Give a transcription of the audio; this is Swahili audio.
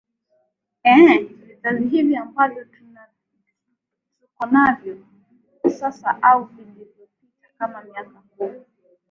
ee vizazi hivi ambavo tukonavyo sasa au vilivopita kama miaka kumi